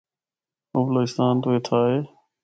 او بلوچستان تو اِتھا آئے۔